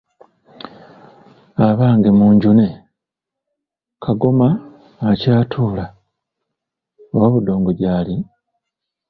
"Abange munjune, Kagoma akyatuula, oba budongo gyali?"